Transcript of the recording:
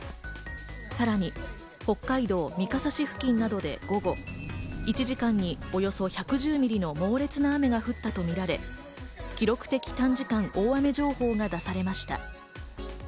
さらに北海道三笠市付近などで午後、１時間におよそ１１０ミリの猛烈な雨が降ったとみられ、記録的短時間大雨情報が出されました。